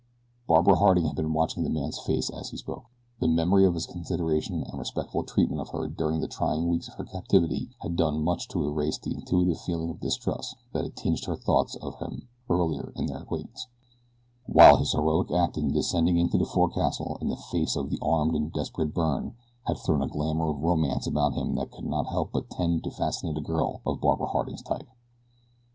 Barbara Harding had been watching the man's face as he spoke. The memory of his consideration and respectful treatment of her during the trying weeks of her captivity had done much to erase the intuitive feeling of distrust that had tinged her thoughts of him earlier in their acquaintance, while his heroic act in descending into the forecastle in the face of the armed and desperate Byrne had thrown a glamour of romance about him that could not help but tend to fascinate a girl of Barbara Harding's type.